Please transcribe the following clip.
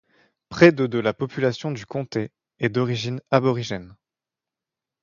Près de de la population du comté est d'origine aborigène.